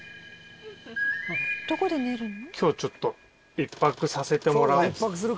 どこで寝るの？